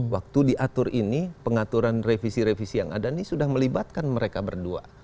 waktu diatur ini pengaturan revisi revisi yang ada ini sudah melibatkan mereka berdua